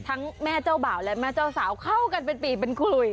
แม่เจ้าบ่าวและแม่เจ้าสาวเข้ากันเป็นปีเป็นคุย